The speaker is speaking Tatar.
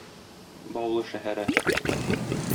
Баулы шәһәре.